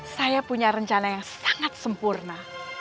saya punya rencana yang sangat sempurna